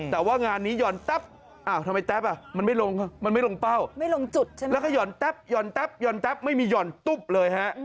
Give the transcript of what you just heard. แต่ว่างานนี้หย่อนตั๊บทำไมตั๊บมันไม่ลงเป้าไม่ลงจุดแล้วก็หย่อนตั๊บหย่อนตั๊บหย่อนตั๊บไม่มีหย่อนตุ๊บเลย